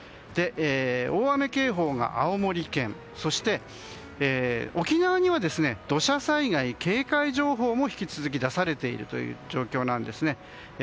大雨警報が青森県そして沖縄には土砂災害警戒情報も引き続き出されている状況です。